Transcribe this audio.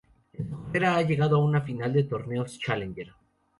En su carrera ha llegado a una final de torneos Challenger.